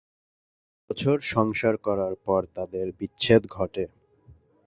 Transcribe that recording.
চার বছর সংসার করার পর তাদের বিচ্ছেদ ঘটে।